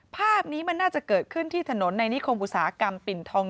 ภาพนี้มันน่าจะเกิดขึ้นที่ถนนในนิคมอุตสาหกรรมปิ่นทอง